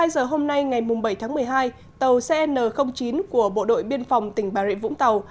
một mươi giờ hôm nay ngày bảy tháng một mươi hai tàu cn chín của bộ đội biên phòng tỉnh bà rịa vũng tàu